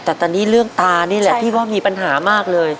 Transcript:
แต่ตอนนี้เรื่องตานี่แหละพี่ว่ามีปัญหามากเลย